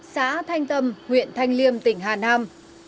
xã thanh tâm huyện thanh liêm tỉnh hà nam